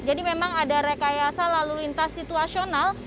jadi memang ada rekayasa lalu lintas situasional